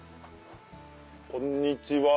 こんにちは。